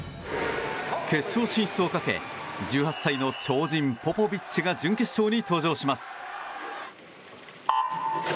決勝進出をかけ１８歳の超人、ポポビッチが準決勝に登場します。